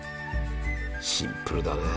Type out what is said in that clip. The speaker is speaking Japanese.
シンプルだね